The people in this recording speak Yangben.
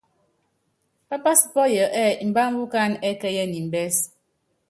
Pápási pɔ́yɔ ɛ́ɛ́ mbambɛ́ ukánɛ ɛ́kɛ́yɛnɛ mbɛ́s.